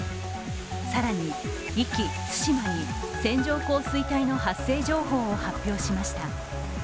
更に壱岐・対馬に線状降雨帯の発生情報を発表しました。